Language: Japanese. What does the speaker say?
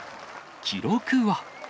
記録は。